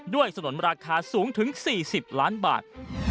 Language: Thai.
สนุนราคาสูงถึง๔๐ล้านบาท